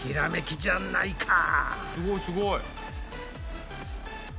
すごいすごい。